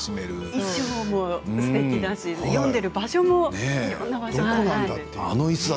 衣装もすてきだし読んでいる場所もいろんな場所で。